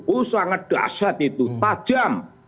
oh sangat dahsyat itu tajam